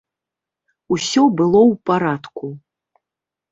Усё было ў парадку.